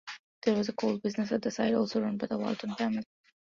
There was a coal business at the side, also run by the Walton family.